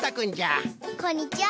こんにちは！